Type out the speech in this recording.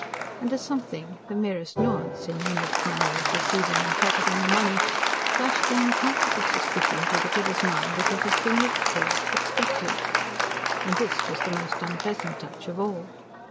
And a something, the merest nuance in Ned's manner of receiving and pocketing the money, flashed the uncomfortable suspicion through the giver's mind that it had been looked for, expected. And this was the most unpleasant touch of all.